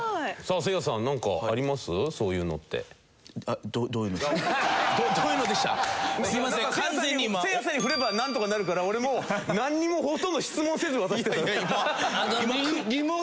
せいやさんに振ればなんとかなるから俺もうなんにもほとんど質問せず渡したから。